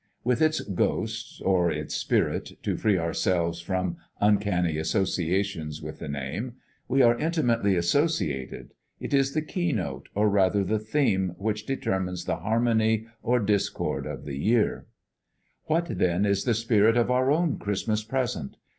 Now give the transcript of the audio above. With its ghost or its spirit, to free ourselves from uncanny associations with the name we are intimately associated: it is the key note, or rather the theme, which determines the harmony or discord of the year. What, then, is the spirit of our own Christmas Present?